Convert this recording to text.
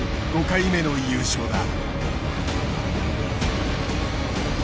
５回目の優勝だ。